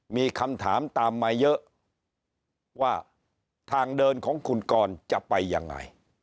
มีคำถามตามมาเยอะว่าทางเดินของคุณกรจะไปยังไง